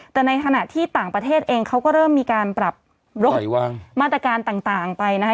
แต่ในขณะที่ต่างประเทศเองเขาก็เริ่มมีการปรับมาตรการต่างไปนะคะ